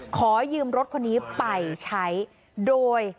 ขอยืมรถคนนี้ไปใช้โดย